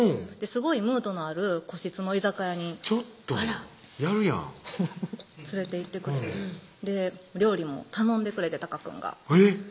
すごいムードのある個室の居酒屋にちょっとやるやん連れていってくれて料理も頼んでくれて隆くんがえっ！